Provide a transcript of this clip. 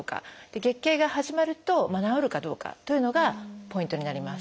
月経が始まると治るかどうかというのがポイントになります。